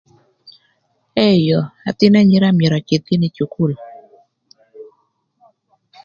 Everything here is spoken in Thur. Eyo ëthïn anyira myero öcïdh gïnï ï cukul.